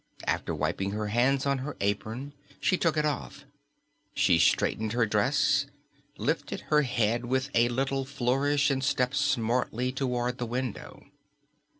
After wiping her hands on her apron, she took it off. She straightened her dress, lifted her head with a little flourish, and stepped smartly toward the window.